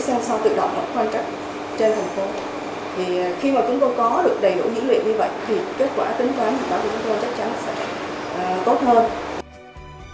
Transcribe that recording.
thì kết quả tính toán của chúng tôi chắc chắn sẽ tốt hơn